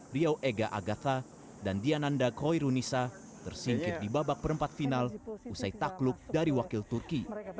riau ega agatha dan diananda khoirunisa tersingkir di babak perempat final usai takluk dari wakil turki